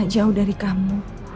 jauh dari kamu